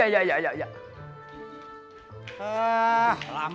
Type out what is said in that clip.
ini baru jadi bold minggu